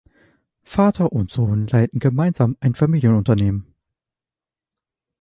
Vater und Sohn leiten gemeinsam ein Familienunternehmen.